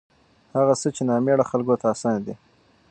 هغه څخه چې نامېړه خلکو ته اسان دي